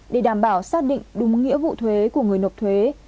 để đảm bảo xác định đúng nghĩa vụ thuế của người nộp thuế